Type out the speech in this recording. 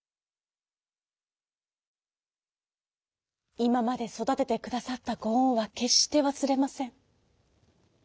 「いままでそだててくださったごおんはけっしてわすれません」。